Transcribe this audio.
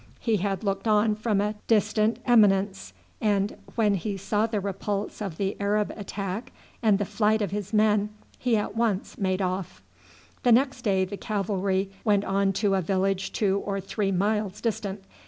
He had looked on from a distant eminence, and when he saw the repulse of the Arab attack and the flight of his men he at once made off. The next day the cavalry went on to a village two or three miles distant.